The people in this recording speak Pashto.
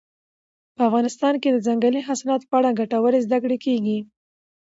په افغانستان کې د ځنګلي حاصلاتو په اړه ګټورې زده کړې کېږي.